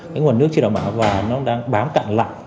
cái nguồn nước chế độc bảo và nó đang bám cạn lặn